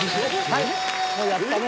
はいもうやったね。